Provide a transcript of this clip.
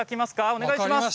お願いします。